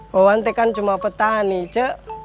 wawan teh kan cuma petani cek